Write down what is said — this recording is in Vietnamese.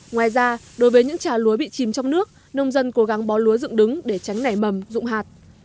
ngoài ra đối với những trà lúa bị chìm trong nước nông dân cố gắng bó lúa dựng đứng để tránh nảy mầm dụng hạt